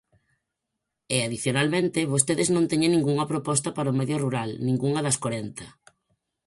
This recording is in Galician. E, adicionalmente, vostedes non teñen ningunha proposta para o medio rural, ningunha das corenta.